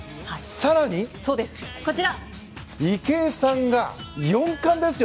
更に、池江さんが４冠ですよ。